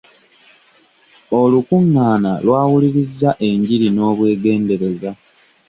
Olukungaana lwawulirizza enjiri n'obwegendereza.